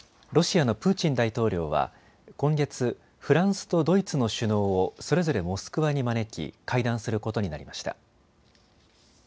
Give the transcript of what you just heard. ロシアのプーチン大統領は今月フランスとドイツの首脳をそれぞれモスクワに招き、会談することになりました。